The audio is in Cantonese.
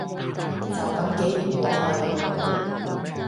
就噉幾年過去